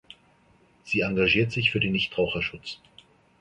Sie engagiert sich für den Nichtraucherschutz.